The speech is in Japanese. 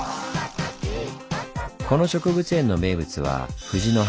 この植物園の名物は藤の花。